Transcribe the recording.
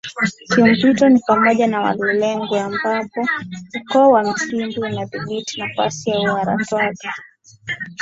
kimpito ni pamoja na kwa Walelengwe ambapo Ukoo wa Msimbe unadhibiti nafasi ya Uharatwaga